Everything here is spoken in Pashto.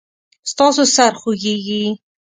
ستاسو سر خوږیږي؟